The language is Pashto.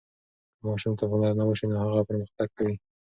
که ماشوم ته پاملرنه وسي نو هغه پرمختګ کوي.